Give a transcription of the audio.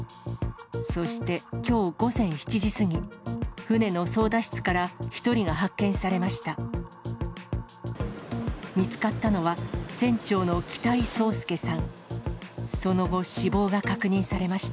そしてきょう午前７時過ぎ、船の操だ室から、１人が発見されました。